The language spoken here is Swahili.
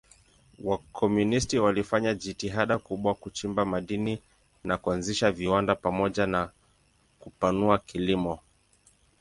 Wakomunisti walifanya jitihada kubwa kuchimba madini na kuanzisha viwanda pamoja na kupanua kilimo.